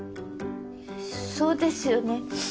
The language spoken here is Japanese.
そうですよね。